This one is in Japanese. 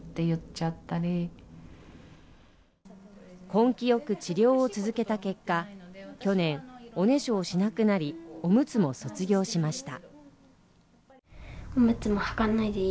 根気よく治療を続けた結果、去年、おねしょをしなくなり、おむつも卒業しました。